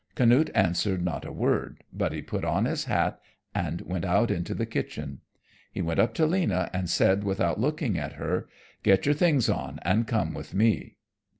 Canute answered not a word, but he put on his hat and went out into the kitchen. He went up to Lena and said without looking at her, "Get your things on and come with me!"